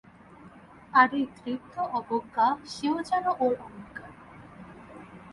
আর এই দৃপ্ত অবজ্ঞা, সেও যেন ওর অলংকার।